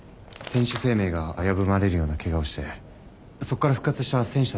選手生命が危ぶまれるようなケガをしてそっから復活した選手たちの資料。